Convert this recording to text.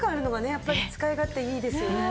やっぱり使い勝手いいですよね。